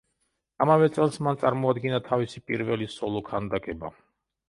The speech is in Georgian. ამავე წელს მან წარმოადგინა თავისი პირველი სოლო ქანდაკება.